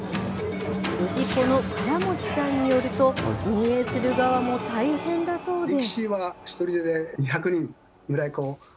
氏子の倉持さんによると、運営する側も大変だそうで。